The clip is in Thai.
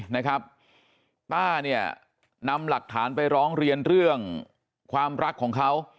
นะครับป้าเนี่ยนำหลักฐานไปร้องเรียนเรื่องความรักของเขา